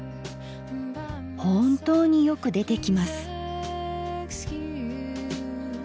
本当によく出てきます。